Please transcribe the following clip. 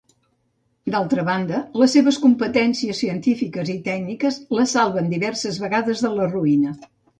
D'altra banda, les seves competències científiques i tècniques la salven diverses vegades de la ruïna.